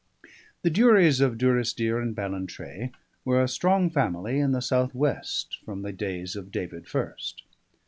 The Duries of Durrisdeer and Ballantrae were a strong family in the south west from the days of David First.